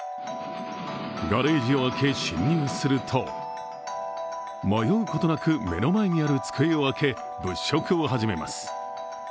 ガレージを開け侵入すると迷うことなく目の前にある机を開け、物色を始めます。